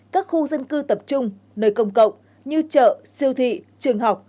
các khu dân cư tập trung nơi công cộng như chợ siêu thị trường học